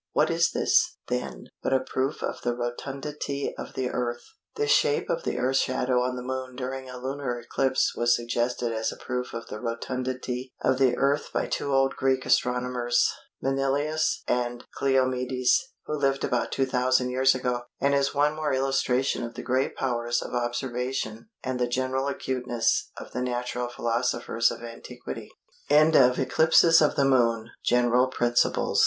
What is this, then, but a proof of the rotundity of the earth? This shape of the Earth's shadow on the Moon during a lunar eclipse was suggested as a proof of the rotundity of the Earth by two old Greek astronomers, Manilius and Cleomedes, who lived about 2000 years ago, and is one more illustration of the great powers of observation and the general acuteness of the natural philosophers of antiquity. FOOTNOTES: [Footnote 112: The time occupied by the Moon in passing